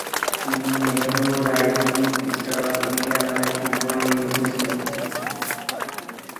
তিনি "Nehru: rising star of India" নামে একটি বই লিখেছিলেন।